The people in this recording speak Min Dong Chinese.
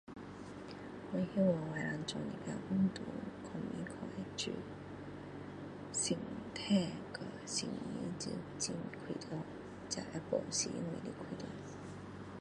身体和心灵很快乐这会保持我的快乐